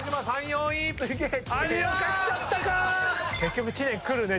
結局知念来るね